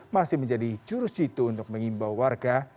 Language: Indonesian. masih menjadi jurus jitu untuk mengimbau warga